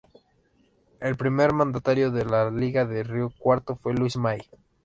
El primer mandatario de la Liga de Río Cuarto fue Luis Mai.